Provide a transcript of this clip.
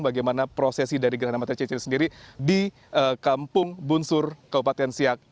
bagaimana prosesi dari geram antar cincin sendiri di kampung bunsur kabupaten siak